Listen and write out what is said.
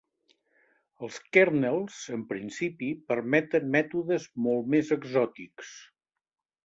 Els kernels, en principi, permeten mètodes molt més exòtics.